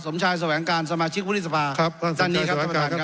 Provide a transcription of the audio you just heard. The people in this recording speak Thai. สมชายแสวงการสมาชิกวุฒิสภาครับท่านนี้ครับท่านประธานครับ